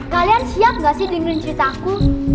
kalian siap gak sih dengerin ceritaku